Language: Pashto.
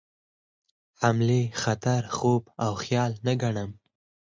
حملې خطر خوب او خیال نه ګڼم.